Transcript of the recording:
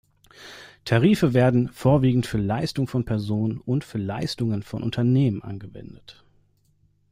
Tarife werden vorwiegend für Leistungen von Personen und für Leistungen von Unternehmen angewendet.